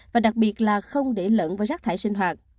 và đặc biệt là không để lẫn vào rác thải sinh hoạt